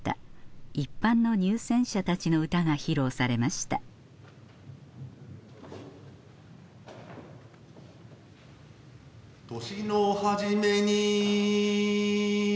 一般の入選者たちの歌が披露されました年の初めに。